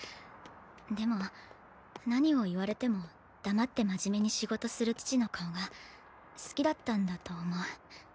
でも何を言われても黙って真面目に仕事する父の顔が好きだったんだと思う。